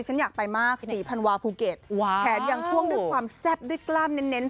ฉันอยากไปมากศรีพันวาภูเก็ตแถมยังพ่วงด้วยความแซ่บด้วยกล้ามเน้น